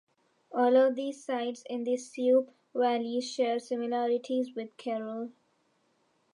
All of these sites in the Supe valley share similarities with Caral.